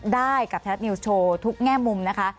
ได้กับไทยรัฐนิวส์โชว์ทุกแง่มุมนะคะ